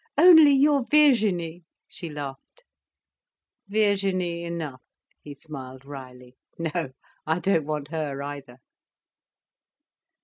"Only your Virginie," she laughed. "Virginie enough," he smiled wryly. "No, I don't want her either."